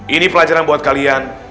ini pelajaran buat kalian